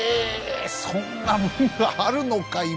そんなもんがあるのか今。